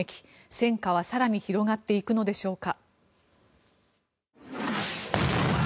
戦火は更に広がっていくのでしょうか。